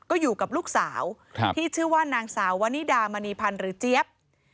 ก็อยู่กับลูกสาวที่ชื่อว่านางสาววนิดามณีพันธ์หรือเจี๊ยบ